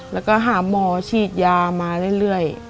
แล้วก็หาหมอฉีดยามาเรื่อย